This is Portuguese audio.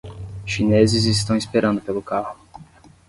Chineses estão esperando pelo carro